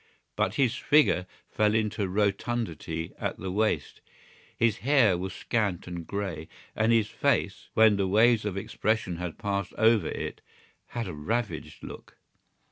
But his figure fell into rotundity at the waist, his hair was scant and grey and his face, when the waves of expression had passed over it, had a ravaged look.